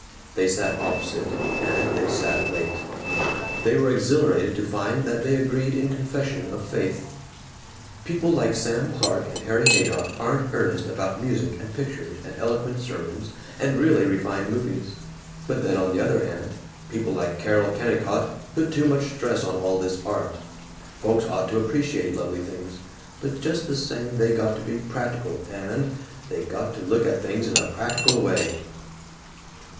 They sat opposite, and they sat late. They were exhilarated to find that they agreed in confession of faith: "People like Sam Clark and Harry Haydock aren't earnest about music and pictures and eloquent sermons and really refined movies, but then, on the other hand, people like Carol Kennicott put too much stress on all this art. Folks ought to appreciate lovely things, but just the same, they got to be practical and they got to look at things in a practical way."